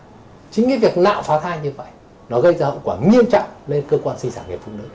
và chính cái việc nạo phá thai như vậy nó gây ra hậu quả nghiêm trọng lên cơ quan sinh sản nghiệp phụ nữ